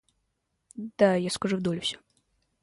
Да, я скажу Долли всё.